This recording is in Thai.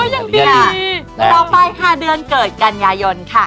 ต่อไป๕เดือนเกิดกัญญายนค่ะ